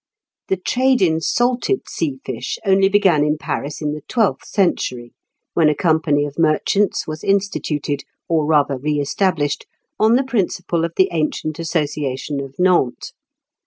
The trade in salted sea fish only began in Paris in the twelfth century, when a company of merchants was instituted, or rather re established, on the principle of the ancient association of Nantes.